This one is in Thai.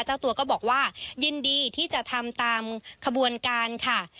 เจ้าตัวก็บอกว่ายินดีที่จะทำตามขบวนการค่ะ